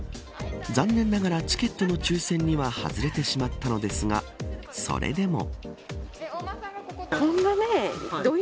残念ながらチケットの抽選には外れてしまったのですがそれでも。